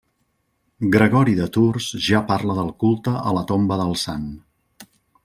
Gregori de Tours ja parla del culte a la tomba del sant.